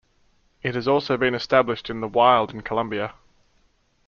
It has also been established in the wild in Colombia.